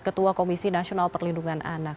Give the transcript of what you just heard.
ketua komisi nasional perlindungan anak